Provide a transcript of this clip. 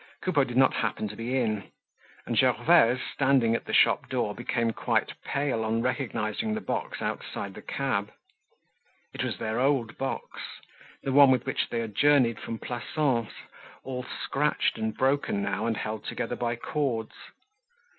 Coupeau did not happen to be in. And Gervaise, standing at the shop door became quite pale on recognizing the box outside the cab. It was their old box, the one with which they had journeyed from Plassans, all scratched and broken now and held together by cords.